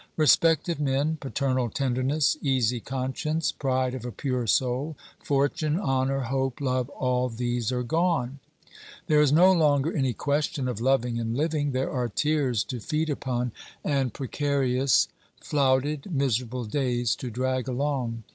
Respect of men, paternal tenderness, easy conscience, pride of a pure soul, fortune, honour, hope, love, all these are gone. There is no longer any question of loving and living ; there are tears to feed upon, and 342 OBERMANN precarious, flouted, miserable days to drag along.